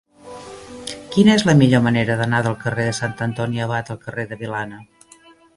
Quina és la millor manera d'anar del carrer de Sant Antoni Abat al carrer de Vilana?